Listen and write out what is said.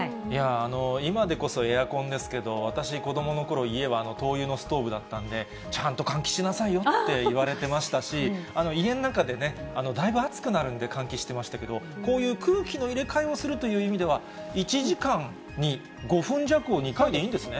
今でこそエアコンですけれども、私、子どものころ、家は灯油のストーブだったんで、ちゃんと換気しなさいよって言われてましたし、家の中でね、だいぶ暑くなるんで、換気してましたけど、こういう空気の入れ替えをするという意味では、１時間に５分弱を２回でいいんですね。